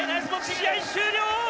試合終了。